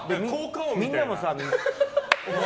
みんなもさ。